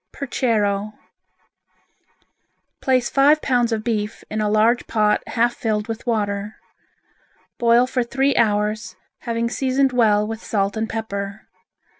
Perchero Place five pounds of beef in a large pot half filled with water. Boil for three hours, having seasoned well with salt and pepper.